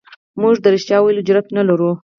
موږ د رښتیا ویلو جرئت نه لرو.